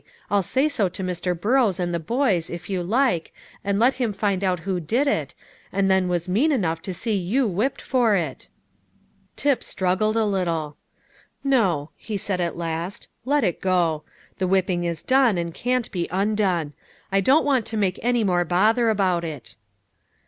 I'll say so to Mr. Burrows and the boys, if you like, and let him find out who did it, and then was mean enough to see you whipped for it." Tip struggled a little. "No," he said at last, "let it go. The whipping is done, and can't be undone; I don't want to make any more bother about it."